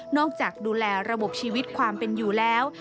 จากดูแลระบบชีวิตความเป็นอยู่แล้ว